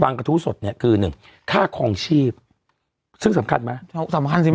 กระทู้สดเนี่ยคือหนึ่งค่าคลองชีพซึ่งสำคัญไหมสำคัญจริง